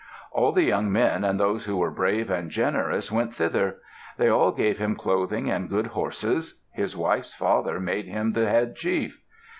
All the young men and those who were brave and generous went thither. They all gave him clothing and good horses. His wife's father made him the head chief.